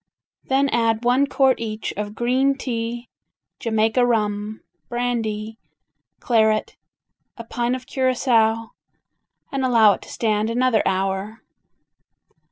Then add one quart each of green tea, Jamaica rum, brandy, claret, a pint of Curacao, and allow it to stand another hour.